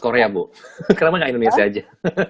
korea bu kenapa tidak indonesia saja